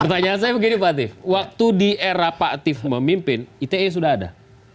pertanyaan saya begini pak atif waktu di era pak atif memimpin ite sudah ada